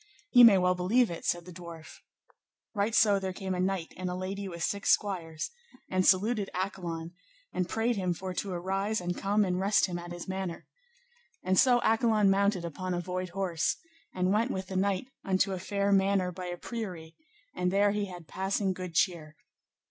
Ye may well believe it, said the dwarf. Right so there came a knight and a lady with six squires, and saluted Accolon, and prayed him for to arise, and come and rest him at his manor. And so Accolon mounted upon a void horse, and went with the knight unto a fair manor by a priory, and there he had passing good cheer.